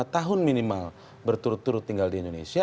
dua tahun minimal berturut turut tinggal di indonesia